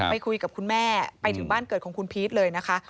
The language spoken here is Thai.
คุยกับคุณแม่ไปถึงบ้านเกิดของคุณพีชเลยนะคะ